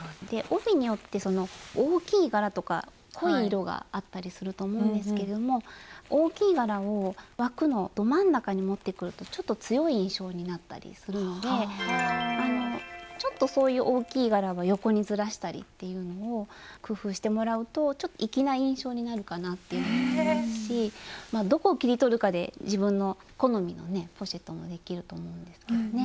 帯によって大きい柄とか濃い色があったりすると思うんですけれども大きい柄を枠のど真ん中に持ってくるとちょっと強い印象になったりするのでちょっとそういう大きい柄は横にずらしたりっていうのを工夫してもらうと粋な印象になるかなっていうのもありますしどこを切り取るかで自分の好みのねポシェットもできると思うんですけどね。